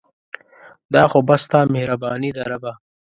دا خو بس ستا مهرباني ده ربه